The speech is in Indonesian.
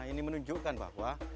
ini menunjukkan bahwa